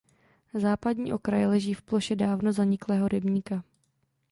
Západní okraj leží v ploše dávno zaniklého rybníka.